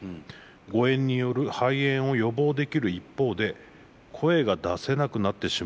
誤嚥による肺炎を予防できる一方で声が出せなくなってしまう手術です。